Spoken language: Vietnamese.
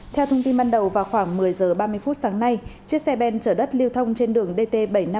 theo thông tin ban đầu vào khoảng một mươi h ba mươi phút sáng nay chiếc xe ben chở đất lưu thông trên đường dt bảy trăm năm mươi